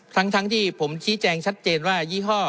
ทั้งที่ผมชี้แจงชัดเจนว่ายี่ห้อ